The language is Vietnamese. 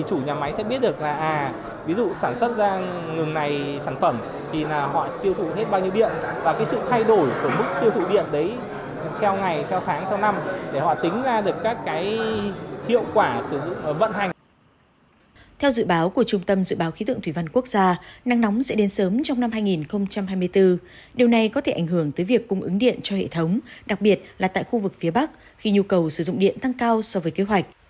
theo dự báo của trung tâm dự báo khí tượng thủy văn quốc gia năng nóng sẽ đến sớm trong năm hai nghìn hai mươi bốn điều này có thể ảnh hưởng tới việc cung ứng điện cho hệ thống đặc biệt là tại khu vực phía bắc khi nhu cầu sử dụng điện tăng cao so với kế hoạch